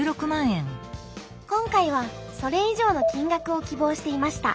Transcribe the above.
今回はそれ以上の金額を希望していました。